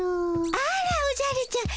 あらおじゃるちゃん。